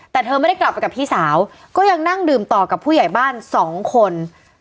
แต่เธอไม่ได้กลับไปกับพี่สาวก็ยังนั่งดื่มต่อกับผู้ใหญ่บ้านสองคน